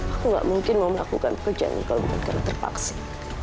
aku gak mungkin mau melakukan pekerjaan kalau bukan karena terpaksa